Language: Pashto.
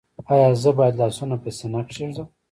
ایا زه باید لاسونه په سینه کیږدم؟